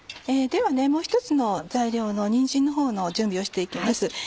ではもう１つの材料のにんじんの準備をして行きます。